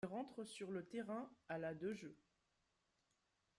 Il rentre sur le terrain à la de jeu.